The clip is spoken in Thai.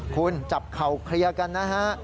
คุณจับเข่าเคลียร์กันนะฮะ